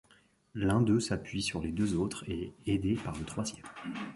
L'un deux s'appuie sur les deux autres et est aidé par le troisième.